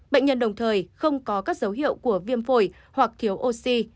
bệnh nhân đồng thời không có các dấu hiệu của viêm phổi hoặc thiếu oxy